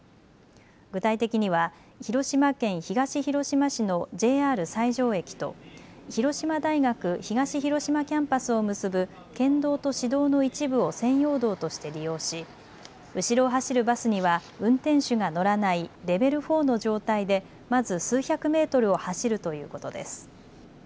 具体的には、広島県東広島市のＪＲ西条駅と、広島大学東広島キャンパスを結ぶ県道と市道の一部を専用道として利用し、後ろを走るバスには、運転手が乗らないレベル４の状態で、まず数百メートルを走るということです。